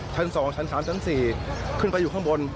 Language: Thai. ชั้น๒ชั้น๓ชั้น๔ขึ้นไปอยู่ข้างบน